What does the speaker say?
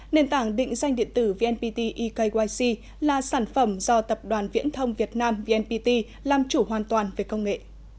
nền tảng định danh điện tử vnpt ekyc là sản phẩm do tập đoàn viễn thông việt nam vnpt làm chủ hoàn toàn về công nghệ